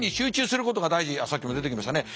さっきも出てきましたね。